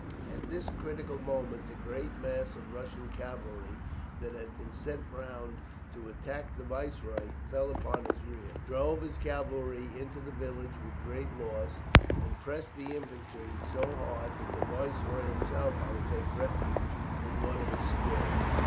At this critical moment the great mass of Russian cavalry that had been sent round to attack the Viceroy fell upon his rear, drove his cavalry into the village with great loss, and pressed the infantry so hard that the Viceroy himself had to take refuge in one of his squares.